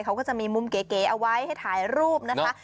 เขาก็จะมีมุมเก๋เอาไว้ให้ถ่ายรูปนะคะ